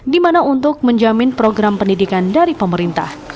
dimana untuk menjamin program pendidikan dari pemerintah